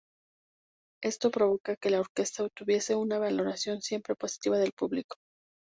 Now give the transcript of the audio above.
Esto provoca que la orquesta obtuviese una valoración siempre positiva del público.